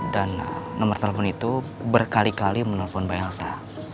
dan nomor telepon itu berkali kali menelpon pak elsa